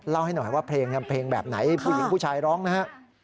ให้หน่อยว่าเพลงเพลงแบบไหนผู้หญิงผู้ชายร้องนะฮะ